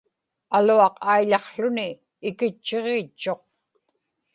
aluaq aiḷaqłuni ikitchiġiitchuq